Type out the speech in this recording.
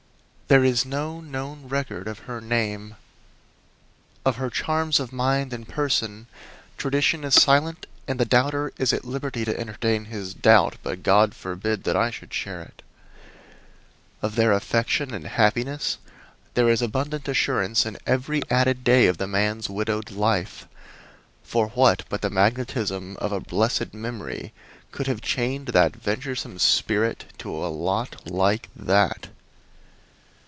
There is no known record of her name; of her charms of mind and person tradition is silent and the doubter is at liberty to entertain his doubt; but God forbid that I should share it! Of their affection and happiness there is abundant assurance in every added day of the man's widowed life; for what but the magnetism of a blessed memory could have chained that venturesome spirit to a lot like that?